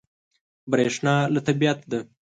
برېښنا له طبیعت ده.